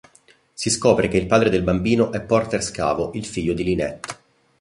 Si scopre che il padre del bambino è Porter Scavo, il figlio di Lynette.